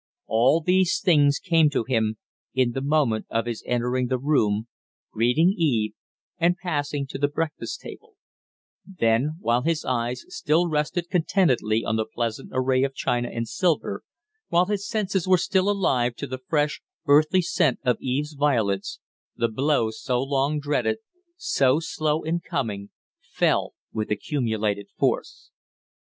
All these things came to him in the moment of his entering the room, greeting Eve, and passing to the breakfast table; then, while his eyes still rested contentedly on the pleasant array of china and silver, while his senses were still alive to the fresh, earthly scent of Eve's violets, the blow so long dreaded so slow in coming fell with accumulated force.